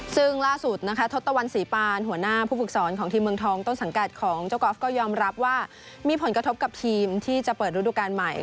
ซึ่งล่าสุดนะคะทศตวรรษีปานหัวหน้าผู้ฝึกสอนของทีมเมืองทองต้นสังกัดของเจ้ากอล์ฟก็ยอมรับว่ามีผลกระทบกับทีมที่จะเปิดฤดูการใหม่